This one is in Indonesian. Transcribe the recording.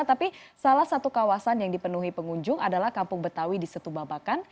tapi salah satu kawasan yang dipenuhi pengunjung adalah kampung betawi di setubabakan